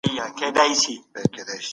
حکومت د ټولني لپاره بېلابېلي پريکړي کوي.